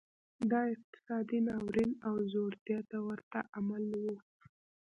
دا اقتصادي ناورین او ځوړتیا ته ورته عمل و.